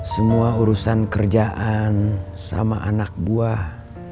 semua urusan kerjaan sama anak buah